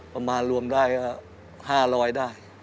ประมาณรวมได้ก็๕๐๐ได้